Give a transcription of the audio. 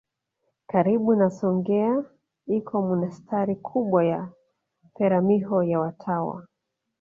Karibu na Songea iko monasteri kubwa ya Peramiho ya watawa